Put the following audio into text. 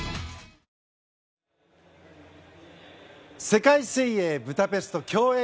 世界水泳ブダペスト競泳